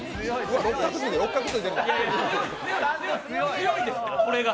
強いですって、これが。